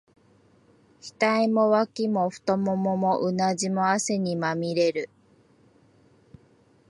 額も、脇も、太腿も、うなじも、汗にまみれる。